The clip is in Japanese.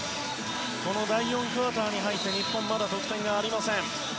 第４クオーターに入って日本はまだ得点がありません。